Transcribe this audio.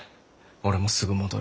俺もすぐ戻る。